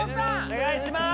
お願いします！